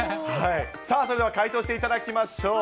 さあそれでは解答していただきましょう。